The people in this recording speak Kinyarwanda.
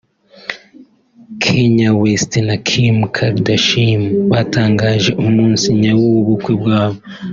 Kanye West na Kim Kardashian batangaje umunsi nyawo w’ubukwe bwabo